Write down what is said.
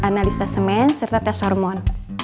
analisa semen serta tes hormon